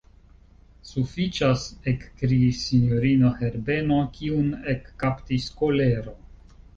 Sufiĉas, ekkriis sinjorino Herbeno, kiun ekkaptis kolero.